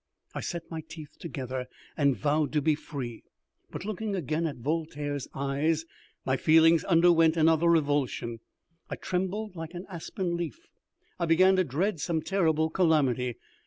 I set my teeth together and vowed to be free, but, looking again at Voltaire's eyes, my feelings underwent another revulsion. I trembled like an aspen leaf. I began to dread some terrible calamity.